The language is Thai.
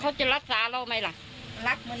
เกิดว่าจะต้องมาตั้งโรงพยาบาลสนามตรงนี้